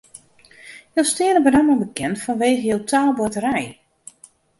Jo steane benammen bekend fanwege jo taalboarterij.